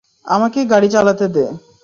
আমাকে গাড়ি চালাতে দে।